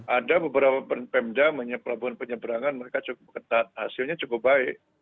ada beberapa pemda pelabuhan penyeberangan mereka cukup ketat hasilnya cukup baik